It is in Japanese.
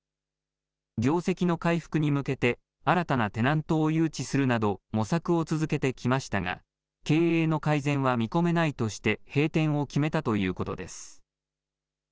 業績の回復に向けて、新たなテナントを誘致するなど、模索を続けてきましたが、経営の改善は見込めないとして、閉店を決めたということです。